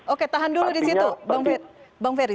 oke tahan dulu di situ bang ferry